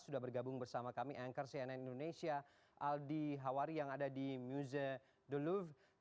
sudah bergabung bersama kami anchor cnn indonesia aldi hawari yang ada di muse the love